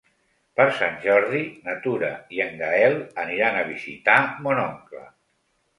Per Sant Jordi na Tura i en Gaël aniran a visitar mon oncle.